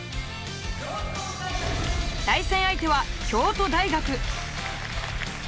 対戦相手は京都大学。